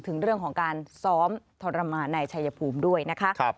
ถึงเรื่องของการซ้อมทรมานในชายภูมิด้วยนะคะ